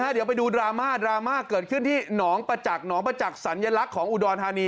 เดี๋ยวไปดูดราม่าดราม่าเกิดขึ้นที่หนองประจักษ์หนองประจักษ์สัญลักษณ์ของอุดรธานี